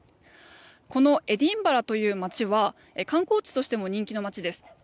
このエディンバラという街は観光地としても人気の街です。